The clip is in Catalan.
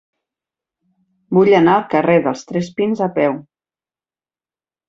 Vull anar al carrer dels Tres Pins a peu.